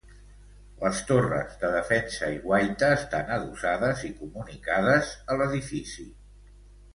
Les torres de defensa i guaita estan adossades i comunicades a l'edifici.